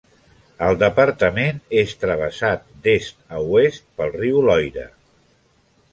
El departament és travessat d'est a oest pel riu Loira.